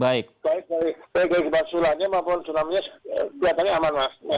baik dari gempa susulannya maupun tsunami nya kelihatannya aman mas